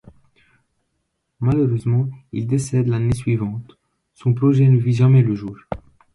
Malheureusement il décède l'année suivante, son projet ne vit jamais le jour.